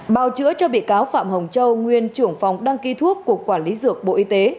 bào chữa cho bị cáo phạm hồng châu nguyên trưởng phòng đăng ký thuốc cục quản lý dược bộ y tế